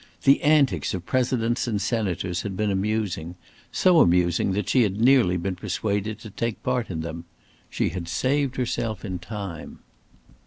The antics of Presidents and Senators had been amusing so amusing that she had nearly been persuaded to take part in them. She had saved herself in time.